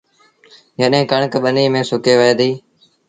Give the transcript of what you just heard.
جڏهيݩ ڪڻڪ ٻنيٚ ميݩ سُڪي وهي ديٚ